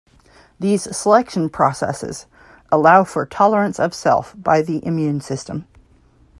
These selection processes allow for tolerance of self by the immune system.